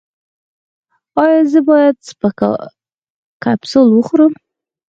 ایا زه باید کپسول وخورم؟